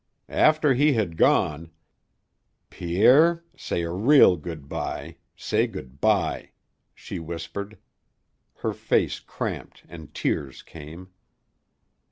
After he had gone, "Pierre, say a real good bye, say good bye," she whispered. Her face cramped and tears came.